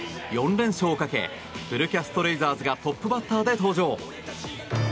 ４連勝をかけフルキャスト・レイザーズがトップバッターで登場。